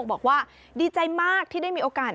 บอกว่าดีใจมากที่ได้มีโอกาส